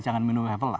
jangan minimum level lah